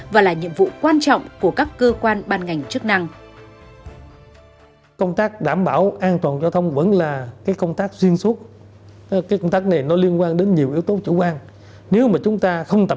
và là nhiệm vụ quan trọng của các cơ quan ban ngành chức năng